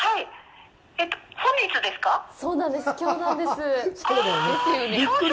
きょうなんです。